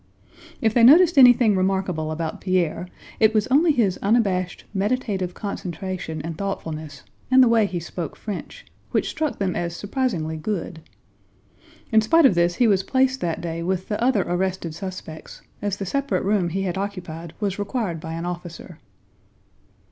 If they noticed anything remarkable about Pierre, it was only his unabashed, meditative concentration and thoughtfulness, and the way he spoke French, which struck them as surprisingly good. In spite of this he was placed that day with the other arrested suspects, as the separate room he had occupied was required by an officer.